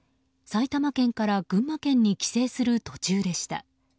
埼玉県から群馬県に帰省する途中でした。